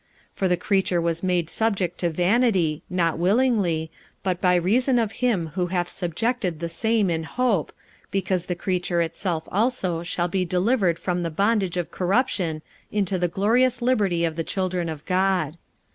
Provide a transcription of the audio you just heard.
45:008:020 For the creature was made subject to vanity, not willingly, but by reason of him who hath subjected the same in hope, 45:008:021 Because the creature itself also shall be delivered from the bondage of corruption into the glorious liberty of the children of God.